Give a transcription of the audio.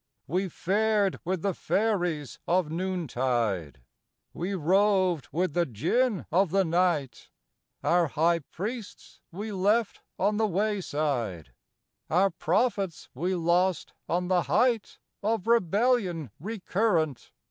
We fared with the Fairies of noontide, We roved with the Jinn of the night; Our high priests we left on the wayside, Our prophets we lost on the height Of rebellion recurrent.